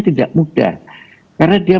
tidak mudah karena dia